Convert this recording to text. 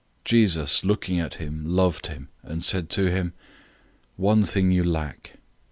010:021 Jesus looking at him loved him, and said to him, "One thing you lack.